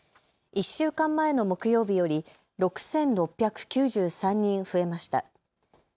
１週間前の木曜日より６６９３人増えました。